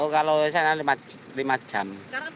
kalau biasanya lima jam